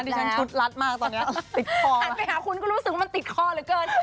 รัดมากตอนนี้ติดคอมากถัดไปหาคุณก็รู้สึกว่ามันติดคอเหลือเกิน